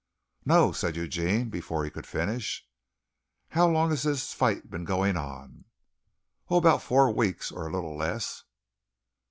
"No," said Eugene before he could finish. "How long has this fight been going on?" "Oh, about four weeks, or a little less."